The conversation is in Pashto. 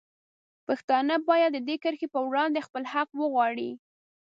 پښتانه باید د دې کرښې په وړاندې خپل حق وغواړي.